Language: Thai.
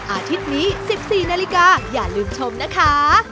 อาทิตย์นี้๑๔นาฬิกาอย่าลืมชมนะคะ